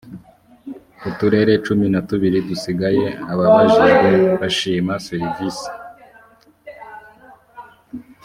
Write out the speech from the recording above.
uturere cumi na tubiri dusigaye ababajijwe bashima serivisi